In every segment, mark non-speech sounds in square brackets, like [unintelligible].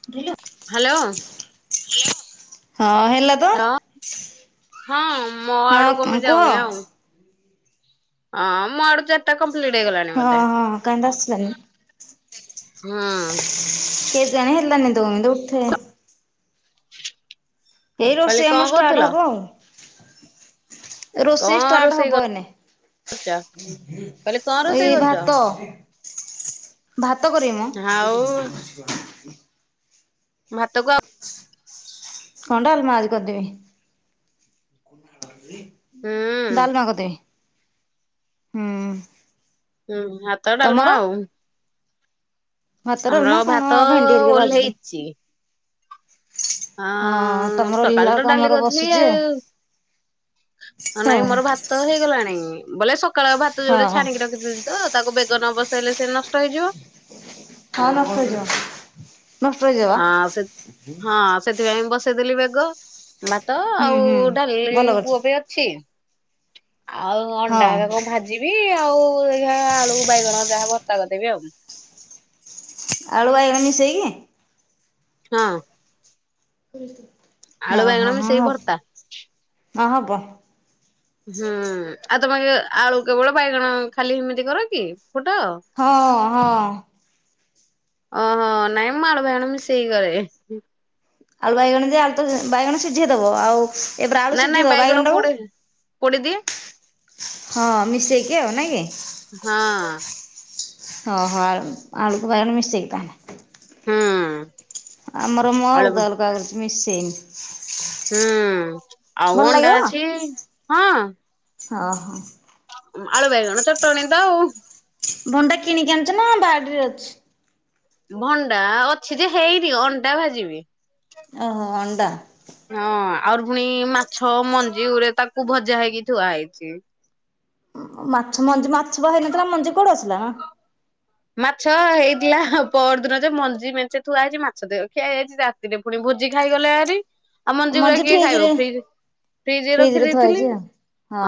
[unintelligible] Hello. Hello ହଁ ହେଲା ତ ହଁ ହଁ ମୋ ଆଳୁ ହଁ କମାଇଁ କୁହ ଯାଉନି ଆଉ। ହଁ ମୋ ଆଡୁ ଚାରଟା କମ୍ପ୍ଲିଟ ହେଇଗଲାଣିି ହଁ ବୋଧେ। ହଁ କାହିଁ ତ ଆସିଲାନି ହଁ। କେଜାଣି ହେଲାନି [unintelligible] ଉଠେ। ଏଇ କହିଲି ରୋଷେଇ କଣ ଆମର କରୁଥିଲ ଷ୍ଟାର୍ଟ ହବ ଆଉ। କଣ ରୋଷେଇ ଷ୍ଟାର୍ଟ ରୋଷେଇ ହବ ଏଇନେ। କରୁଛ କହିଲି କଣ ରୋଷେଇ ଏଇ କରୁଛ ଭାତ। ଭାତ କରିମି ମ। ଆଉ ହୁଁ ଭାତକୁ ଆଉ [unintelligible] କଣ ଡାଲମା ଆଜି କରଦେବି। ହୁଁ ଡାଲମା କରିଦେବି ହୁଁ। ହୁଁ ହାତ ତମର ଡାଲମା ଆଉ। ଭାତ ଆମର ଡାଲମା କଣ ଭାତ ଭେଣ୍ଡି ହେରିକା ଭାଜିଦେବି ଓହ୍ଲେଇଚି। ହଁ ତମର ଓହ୍ଲେଇଲା ସକାଳୁ ତ ବେଳକୁ ଡାଲି ଆମର କରିଥିଲି ବସୁଛି ଆଉ ନାଇଁ ମୋର ଭା ତ ହେଇଗଲାଣି ବୋଲେ ସକାଳ ଭାତ ହଁ ଯୋଉଟା ହଁ ଛାଣିକି ରଖିଥିଲି ତ ତାକୁ ବେଗ ନ ବସେଇଲେ ସେ ନଷ୍ଟ ହେଇଯିବ। ହଁ ନଷ୍ଟହୋଇଯିବ ନଷ୍ଟ ହେଇ ଯିବ ଆ ସେ ହଁ ବା। ସେଥିପାଇଁ ବସେଇଦେଲି ବେଗ ଭାତ ହୁଁ ଆଉ ହୁଁ ଡାଲି ଭଲ କରିଛୁ ପୁଅ ବି ଅଛି। ଆଉ ହଁ ଅଣ୍ଡା [unintelligible] କ ଭା ଯିବି ଆଉ ଏଇହା ଆଳୁ ବାଇଗଣ ଯାହା ଭର୍ତ୍ତା କରିଦେବି ଆଉ। ଆଳୁ ବାଇଗଣ ମିଶେଇକି। ହଁ। ଆଳୁ ଓ ବାଇଗଣ ହୋ ହଁ ମିଶେଇ ହବ ଭର୍ତ୍ତା ହଁ ହବ। ହୁଁ ଆଉ ତମେ କେ ଆଳୁ କେବଳ ବାଇଗଣ ଖାଲି ଏମିତି କର କି ଫୁଟାଅ? ହଁ ହଁ। ଓହୋ ନାଇଁଁ ମାଳ ଭାଇଣ ମିସେଇ କି କରେ। ଆଳୁ ବାଇଗଣ ଯେ ଆଳୁ ତ ଯ ବାଇଗଣ ସିଝେଇଦବ ଆଉ ଏବେରା ଆଳୁ ନାଇଁ ନାଇଁ ସିଝେଇ ଦବ ବାଇଗଣ ଟାକୁ ପୋଡେ ପୋଡି ଦିଏ। ହଁ ମିଶେଇକି ଆଉ ନାଇଁ କି। ହଁ। ହଁ ହଁ। ଆଳୁ ଆଳୁ କୁ ବାଇଗଣ ମିସେଇକି ତାହଲେ। ହୁଁ ଆମର ମଲ ଆଳୁ [unintelligible] ମିଶେଇନି। ହୁଁ। ଆଉ ଭଲ ଅଣ୍ଡା ଅଛି। ହଁ। ହଁ ହଁ। ଉମ ଆଳୁ ବାଇଗଣ ଚଟଣୀ ତ ଆଉ। ଭଣ୍ଡା କିଣିକି ଆଣିଛ ନା ବାଡ଼ିରେ ଅଛି। ଭଣ୍ଡା ଅଛି ଯେ ହେଇନି। ଅଣ୍ଡା ଭାଜିବି। ଓହୋ ଅଣ୍ଡା। ହଁ ଆଉର୍ ପୁଣି ମାଛ, ମଞ୍ଜି ଗୁରେ ତାକୁ ଭଜା ହେଇକି ଥୁଆ ହେଇଛି। ଉମ ମାଛ ମଞ୍ଜି ମାଛ ବା ହେଇନଥିଲା ମଞ୍ଜି କୋଉଠୁ ଆସିଲା ମ। ମାଛ ହେଇଥିଲା ପରଦିନ ଯେ ମଞ୍ଜି ମେଞ୍ଚେ ଥୁଆ ହେଇଛି ମାଛ ଦେ ଖିଆ ହେଇଛି ତା। ଦିନେ ପୁଣି ଭୋଜି ଖାଇଗଲେ ଏହାରି। ଆଉ ମଞ୍ଜି ଗୁଡା କିଏ ଖାଇବ? ଫ୍ରିଜ ଫ୍ରିଜରେ ଥୁଆ ରଖିଦେଇଥିଲି। ହେଇଛି ଆଉ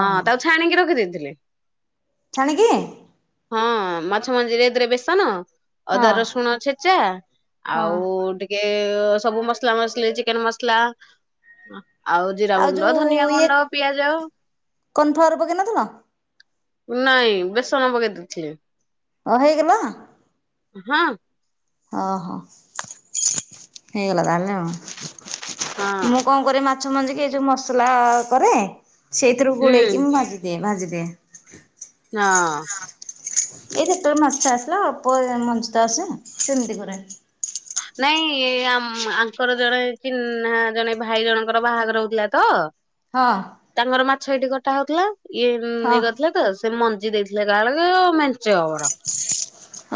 ହଁ ତା [unintelligible] ଛାଣିକି ରଖିଦେଇଥିଲେ। ଛାଣିକି। ହଁ ମାଛ ମଞ୍ଜିରେ ଏଥିରେ ବେସନ ହଁ ଅଦା ରସୁଣ ଛେଚା ହଁ ଆଉ ଟି କେ ଅ ସବୁ ମସଲା ମସଲି ଚିକେନ ମସଲା ଅଁ ଆଉ ଜିରା ଗୁଣ୍ଡ ଧନିଆ ଗୁଣ୍ଡ ପିଆଜ କନଫାଅର ପକେଇନଥିଲ। ନାଇଁ ବେସନ ପକେଇ ଦଉଛି। ହଁ ହେଇଗଲା। ହଁ। ଅହ ହେଇଗଲା ତାହେଲେ ହଁ। ମୁଁ କଣ କରେ ମା ମାଛ ମଞ୍ଜିକି ଏ ଯୋଉ ମସଲା କରେ, ସେଇଥିରୁ ହୁଁ। ଗୋଳେଇକି ମୁଁ ଭାଜିଦିଏଁ। ଭାଜିଦିଏଁ। ନା। ଏଇ ଯେତେବେଳେ ମାଛ ଆସିଲା ଅଳ୍ପ ଯାଏ ମଞ୍ଚୁତା ଆସେ ସେମିତି କରେ। ନାଇଁ ଆମ୍ ଆଙ୍କର ଜଣେ ଚିହ୍ନା ଜଣେ ଭାଇ ଜଣଙ୍କର ବାହାଘର ହଉଥିଲା ତ। ହଁ। ତାଙ୍କର ମାଛ ଏଇଠି କଟା ହଉଥିଲା। ଇଏ ଉମ ହଁ ନେ [unintelligible] ସେ ମଞ୍ଜି ଦେଇଥିଲେ। କାଳେକେ ଆଉ ମେଞ୍ଚେ ଅବର।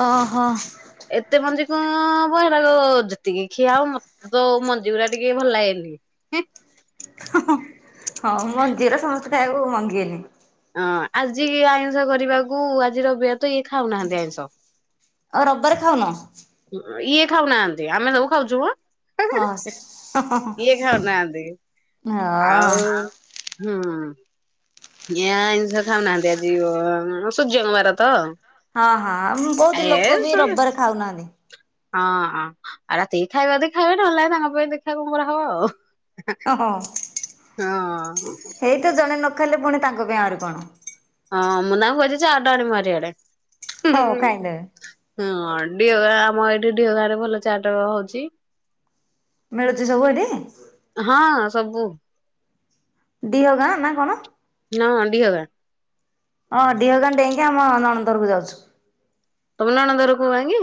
ଓ ହୋ। ଏତେ ମଞ୍ଜି କଣ? ହଁ ଏଗୁଡ଼ାକ ଯେତିକି ଖିଆ ଆଉ ମତେ ତ ମଞ୍ଜି ଗୁୁରା ଟିକେ ଭଲ ଲାଗେନି। ହଁ ହଁ। ହଁ ମଞ୍ଜିର ସମସ୍ତେ ଖାଇବାକୁ ମଙ୍ଗେନି। ହଁ ଆଜିକି ଆଇଁଷ କରିବାକୁ, ଆଜି ରବିବାର ତ ଇଏ ଖାଉନାହାନ୍ତି ଆଇଁଷ। ଆଉ ରବବାରେ ଖାଉନ? ଉମ ଇଏ ଖାଉନାହାନ୍ତି। ଆମେ ସବୁ ଖାଉଛୁ ମ। ହଁ ସେସ ହଁ ହଁ ଇଏ ହଁ। ଖାଉନାହାନ୍ତି। ଆଉ ହୁଁ। ଇଏଁ ଆଇଁଷ ଖାଉ ନାହାନ୍ତି ଆଜି ଅ ସୂର୍ଯ୍ୟଙ୍କବାର ତ। ହଁ ହଁ। ଏ ବହୁତ ଲୋକ ବି ହଁ ରବବାରେ ଖାଉନାହାନ୍ତି। ହଁ ଅଁ ରାତିକି ଖାଇବା ବି ଖାଇବାଟା [unintelligible] କଣ କରା ହବ ଆଉ। ଅଁ ହଁ। ହଁ ହେଇ ତ ଜଣେ ନ ଖାଇଲେ ପୁଣି ତାଙ୍କ ପାଇଁ ଆହୁରି କଣ? ହଁ ମୁଁ ତାଙ୍କୁ କହିଚ ଦେଇଚି ଆଡା ଆଣିବ ମାରି ଆଡେ ହଁ ଖାଇଦେବେ। [unintelligible] ହଁ ଢିଅ ଗାଁ ଆମ ଏଇଠି ଢିଅ ଗାଁ ରେ ଭଲ ଚାଟ ହଉଚି! ମିଳୁଛି ସବୁ ଏଠି? ହଁ ସବୁ! ଦିହ ଗାଁ ନା କଣ? ନା [inaudible] ହଁ [inaudible] ମୋ ନଣନ୍ଦ ଘରକୁ ଯାଉଛୁ ତମ ନଣନ୍ଧ ଘର ଗାଁ କି।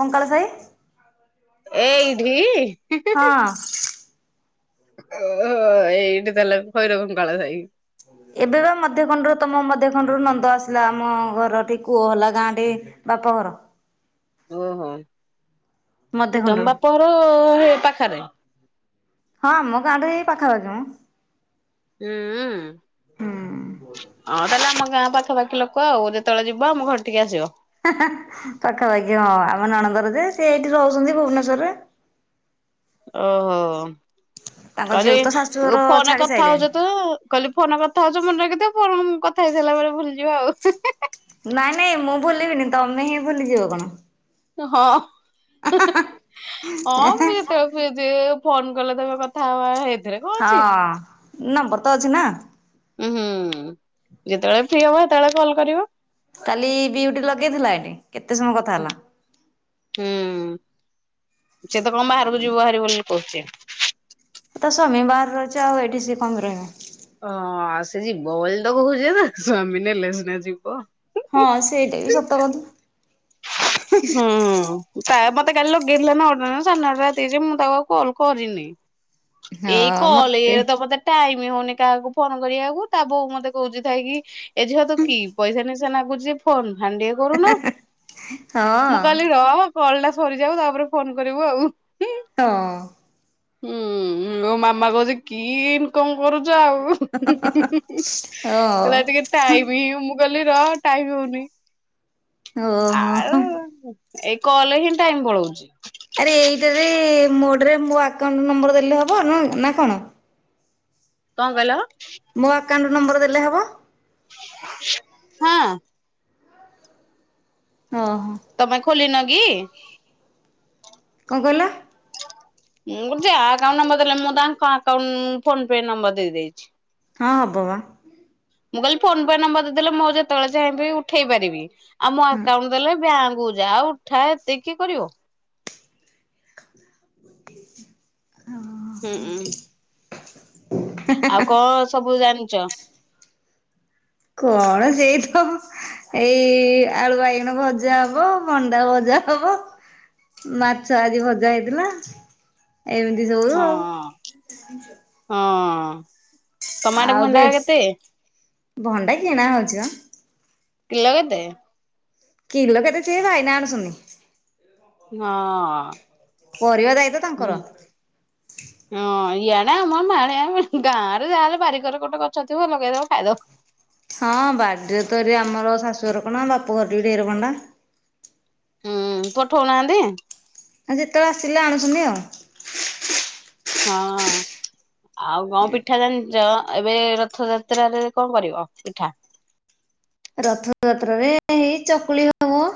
କଙ୍କାଳ ସାହି। [unintelligible] ଏଇଠି ହଁ ଓହୋ ଏଇଠି ତାହେଲେ ଭୈରବ କାଳ ସାଇ। ଏବେ ବା ମଧ୍ୟ ଖଣ୍ଡରୁ ତ ମ ମଧ୍ୟଖଣ୍ଡରୁ ନନ୍ଦ ଆସିଲା ଆମ ଘରଟି କୂଅ ହେଲା ଗାଁରେ ବାପ ଘର ଓହୋ ମଧ୍ୟ ଖଣ୍ଡରୁ ତମ ବାପଘର ପାଖରେ? ହଁ ଆମ ଗାଁ ଟା ଏଇ ପାଖାପାଖି ଯଉ। ହୁଁ ହୁଁ ହଁ ତାହେଲେ ଆମ ଗାଁ ପାଖାପାଖି ଲୋକ ଆଉ, ଯେତେବେଳେ ଯିବା ଆମ ଘର ଟିକେ ଆସିବ। ପାଖାପାଖି ହଁ ଆମେ ନଣନ୍ଦର ଯେ, ସେ ଏଇଠି ରହୁଛନ୍ତି ଭୁବନେଶ୍ୱରରେ। ଓହୋ ତାଙ୍କ ଝିଅକୁ ତ କହିଲି ଶାଶୁଘର ଫୋନ ଛାଡି ସାରିଲେଣି କଥାହଉଛି ତ! କହିଲି ଫୋନ କଥା ହଉଚ ମନେ ରଖିଚତ ଫୋନ କଥା ହେଇ ସାରିଲା ପରେ ଭୁଲିଯିବ ଆଉ ନାଇଁ ନାଇଁ ମୁଁ ଭୁଲିବିନି, ତମେ ହିଁ ଭୁଲି ଯିବ କଣ। ହଁ ହଁ ମୁଁ ଯେତେବେଳେ ଯେ ଫୋନ କଲେ ତମ କଥା ହବା ଏଥିରେ କଣ ଅଛି। ହଁ ନମ୍ବର ତ ଅଛି ନା! ଉଁ ହୁଁ ଯେତେବେଳେ ଫ୍ରି ହବ, ସେତେବେଳେ କଲ୍ କରିବ! କାଲି ଡିଉଟି ଲଗେଇଥିଲା ଏଠି କେତେ ସମୟ କଥା ହେଲା! ହୁଁ। ସେ ତ କଣ ବାହାରକୁ ଯିବ ବାହାରି ବୋଲି କହୁଚି! ତା ସ୍ୱାମୀ ବାହାରେ ରହିଛି, ଏଇଠି ସିଏ କଣ ପାଇଁ ରହିବ? ହଁ ସିଏ ଯିବ ବୋଲି ତ କହୁଛେ ତା ସ୍ୱାମୀ ନେଲେ ସିନା ଯିବ। ହଁ ସେଇଟା ବି ସତ କଥା। ହୁଁ ମତେ କାଲି ଲଗେଇଥିଲା ନଟା ନା ସାଢ଼େ ନଟା ରାତି ଜେ ମୁଁ ତାକୁ ଆଉ କଲ୍ କରିନି। ଏଇ ହଁ କଲ ମତେ ଏରେ ତ ମତେ [unintelligible] ଟାଇମ ହଉନି କାହାକୁ ଫୋନ କରିବାକୁ। ତା ବୋଉ ମତେ କହୁଛି ଥାଇ କି। ଏ ଝିଅ ତତେ କି ପଇସା ନିଶା ନଗୁଛି ଜେ ଫୋନ ଫାନ ଟିଏ କରୁନୁ। ହଁ ମୁଁ କହିଲି ରହ କଲ ଟା ସରିଯାଉ ତାପରେ ଫୋନ କରିବୁ ଆଉ। ହଁ ହୁଁ ମୋ ମାମା କହୁଛି କି ଇନକମ କରୁଛ ଆଉ। ହଁ କହିଲ ଟିକେ ଟାଇମ ହ ମୁଁ କହିଲି ର ଟାଇମ ହଉନି। ଓହୋ ଆଉ ଏଇ କଲେ ହିଁ ଟାଇମ ପଳଉଛି। ଆରେ ଏଇଟାରେ ମୋଟରେ ମୋ ଆକାଉଣ୍ଟ ନମ୍ବର ଦେଲେ ହବ ନ ନା କଣ। କଣ କହିଲ ହଁ? ମୋ ଆକାଉଣ୍ଟ ନମ୍ବର ଦେଲେ ହବ? [unintelligible] ହଁ ଓଁ ହୋ ତମେ ଖୋଲିନ କି? କଣ କହିଲ? ମୁଁ ଯା ଆକାଉଣ୍ଟ ନମ୍ବର ଦେଲେ, ମୁଁ ତାଙ୍କ ଆକାଉଣ୍ଟ ଫୋନ ପେ ନମ୍ବର ଦେଇେଇଛି। ହଁ ହବ ବା। ମୁଁ କହିଲଲି ଫୋନ ପେ ନମ୍ବର ଦେଇଦେଲେ ମୁଁ ଯେତେବେଳେ ଚାହିଁବି ଉଠେଇ ପାରିବି। ଆଉ ମୋ ହଁ ଆକାଉଣ୍ଟ ଦେଲେ ବ୍ୟାଙ୍କ କୁ ଯା ଉଠା ଏତେ କିଏ କରିବ। ହୁଁ ଉଁ ଆଉ କଣ ସବୁ ଜାଣିଛ? କଣ ସେଇ ତ ଏଇ ଆଳୁ ବାଇଗଣ ଭଜା ହବ ଭଣ୍ଡା ଭଜା ହବ ମାଛ ଆଜି ଭଜା ହେଇଥିଲା ଏମିତି ସବୁ ହଁ ଆଉ ହଁ ତମ ଆଡେ ଆଉ ଭଣ୍ଡା କେତେ [unintelligible] ଭଣ୍ଡା କିଣା ହଉଛି ବା କିଲୋ କେତେ? କିଲୋ କେତେ ସେଇ ଭାଇନା ଆଣୁଛନ୍ତି ହଁ ଅଁ ପରିବା ଦାୟିତ୍ୱ ତାଙ୍କର ହଁ ଇଆଡ଼େ ଆମ ମାହାଳିଆ ଗାଁରେ ଯାହାହେଲେ ବାରିପଟେ ଗୋଟେ ଗଛ ଥିବ ଲଗେଇଦବ ଖାଇଦବ ହଁ ବାଡିରେ ତ ଏବେ ଆମର ଶାଶୁ ଘର କଣ ବାପଘରେ ବି ଢେର ଭଣ୍ଡା ହୁଁ ପଠଉନାହାନ୍ତି ଆଉ ଯେତେବେଳେ ଆସିଲେ ଆଣୁଛନ୍ତି ଆଉ ହଁ ହଁ ଆଉ କଣ ପିଠା ଜାଣିଛ ଏବେ ରଥଯାତ୍ରାରେ କଣ କରିବ ପିଠା? ରଥଯାତ୍ରରେ ହେଇ ଚକୁଳି ହବ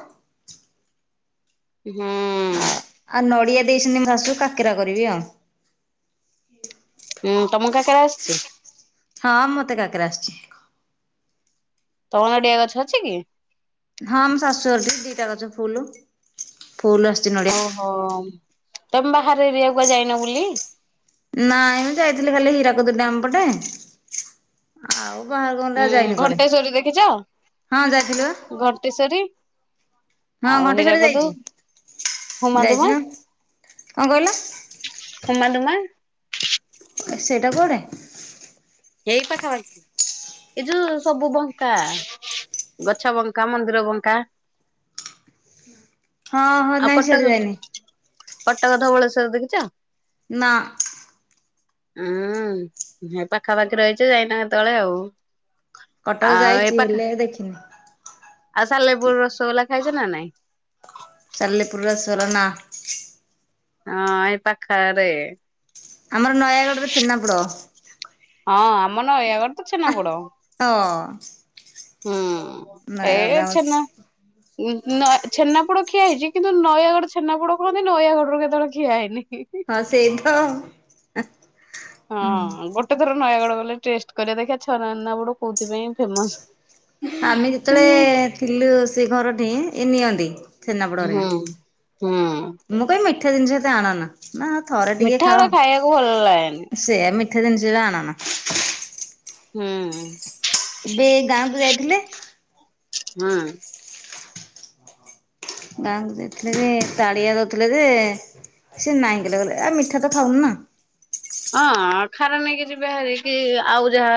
ହୁଁ ଆଉ ନଡିଆ ଦେଇସନ୍ତି ମୋ ଶାଶୁ କାକାରା କରିବି ଆଉ ହୁଁ ତମ କାକରା ଆସୁଛି ହଁ ମୋତେ କାକରା ଆସୁଛି ତମ ନଡିଆ ଗଛ ଅଛି କି? ହଁ ମୋ ଶାଶୁଘରେ ଦିଟା ଗଛ ଫୁଲ ଫୁଲ ଆ- ଓହୋ ତମେ ବାହାର ଏରିଆକୁ ଯାଇନ ବୁଲି ନାଇଁ ଯାଇଥିଲି ଖାଲି ହୀରାକୁଦ ଡ୍ୟାମ ପଟେ ଆଉ ଉଁ [unintelligible] ଯାଇନି କୁଆଡେ ଘଣ୍ଟେଶ୍ଵରୀ ହଁ ଯାଇଥିଲୁ ବା ଘଣ୍ଟେଶ୍ୱରୀ ହଁ ଆଉ ଘଣ୍ଟେଶ୍ଵରୀ ହୀରାକୁଦୁ ଯାଇଛି ହୁମା ଯାଇଛି ଧୁମା ନା କଣ କହିଲ ହୁମା ଦୁମା ସେଇଟା କୁଆଡେ ଏଇ ପାଖାପାଖି ଏଇ ଯୋଉ ସବୁ ବଙ୍କା ଗଛ ବଙ୍କା ମନ୍ଦିର ବଙ୍କା ହଁ ହଁ ଆଉ ନାଇଁ ସିଆଡେ କଟକ ଯାଇନି କଟକ ଧବଳେଶ୍ଵର ଦେଖିଛ ନା ହୁଁ ପାଖାପାଖି ରହିଛ ଯାଇନା କେତେବେଳେ ଆଉ କଟକ ଆଉ ଏ ଯାଇଛି ପାଖା ହେଲେ ଦେଖିନି ଆଉ ସାଲେପୁର ରସଗୋଲା ଖାଇଛ ନା ନାଇଁ ସାଲେପୁର ରସଗୋଲା ନା ହଁ ଏଇ ପାଖାରେ ଆମର ନୟାଗଡ଼ରେ ଛେନାପୋଡ଼ ହଁ ଆମର ନୟାଗଡ଼ ତ ଛେନା ପୋଡ ହଁ ହୁଁ ଏ ନୟାଗଡରେ ଆମ ଛେନା ଛେନାପୋଡ ଖିଆ ହେଇଛି କିନ୍ତୁ ନୟାଗଡ଼ ଛେନାପୋଡ କହନ୍ତି ନୟାଗଡ଼ରୁ କେତେବେଳେ ଖିଆ ହେଇନି ହଁ ସେଇ ତ ହଁ ଗୋଟେ ଥର ନୟାଗଡ଼ ଗଲେ ଟେଷ୍ଟ କରିବା ଦେଖିବା ଛେନାପୋଡ କୋଉଥିପାଇଁ ଫେମସ ଆମେ ହୁଁ ଯେତେବେଳେ ଥିଲୁ ସେ ଘରଠି ଏ ନିଅନ୍ତି ଛେନାପଡ ହୁଁ ହେରିକା ହୁଁ ମୁଁ କହିବି ମିଠା ଜିନିଷ ଏତେ ଆଣନା ନା ଥରେ ଟିକେ ମିଠା ଗୁଡା ଖାଇବାକୁ ଭଲ ଲାଗେନି। ଖାଅ ସେଆ ମିଠେ ଜିନିଷ ଜା ଆଣ ନା। ହୁଁ। ଏବେ ଗାଁକୁ ଯାଇଥିଲେ? ହୁଁ। ଗାଁକୁ ଯାଇଥିଲେ ତାଡ଼ିଆ ଦୋଉଥିଲେ ଯେ ସିଏ ନାଇଁ କଲେଗଲେ ଆଉ ମିଠା ତ ଖାଉ ନା। ହଁ ଖାନା ନେଇକି ଯିବେ ବାହାରି କି ଆଉ ଯାହା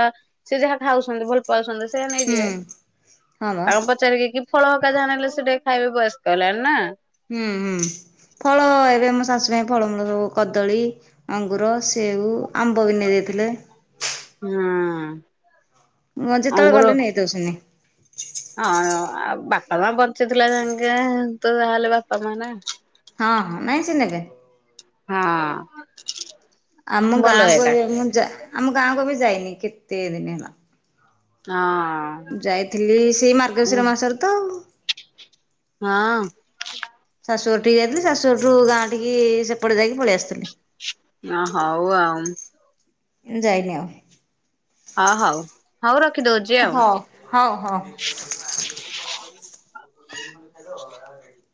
ସିଏ ଯାହା ଖାଉଛନ୍ତି ଭଲ ପାଉଛନ୍ତି ସେୟା ହୁଁ ନେଇଯିବେ ହଁ ବା କଣ ପଚାରିକି ଫଳ ହରିକା ଯାହା ନେଲେ ସେ ଟିକେ ଖାଇବେ ବୟସ କଲାଣି ନା। ହୁଁ ହୁଁ। ଫଳ ଏବେ ମୋ ଶାଶୁ ପାଇଁ ଫଳମୂଳ ସବୁ କଦଳୀ ଅଙ୍ଗୁର ସେଉ ଆମ୍ବ ଭି ନେଇଯାଇଥିଲେ। ହଁ। ମୁଁ ଯେତବେଳେ ଗଲେ ନେଇ ଦଉ [unintelligible] ହଁ ଆ ବାପା ମା ବଞ୍ଚିଥିଲା ଯାଙ୍କେ ତୁ ତାହେଲେ ବାପା ମା। ହଁ ହଁ ନାଇଁ ସ [unintelligible] ହଁ। ଆମ ଭଲ ଗାଁ ଏଇଟା ଯା ମୁଁ ଆମ ଗାଁ କ ଏବେ ଯାଇନି କେତେ ଦିନ ହେଲା। ହଁ। ଯାଇଥିଲି ସେଇ ମାର୍ଗଶିର ମାସରେ ତ ଆଉ। ହଁ। ଶାଶୁଘର ଟିକେ ଯାଇଥିଲି ଶାଶୁ ଘର ଠୁ ଗାଁ ଟିକି ସେପଟେ ଯାଇକି ପଳେଇ ଆସଥିଲି। ହଁ ହୋଉ ଆଉ। ଯାଇନି ଆଉ। ଓ ହଉ ହଉ ରଖିଦୋଉଚି ଆଉ। ହଉ ହଉ ହଉ। ଆଉ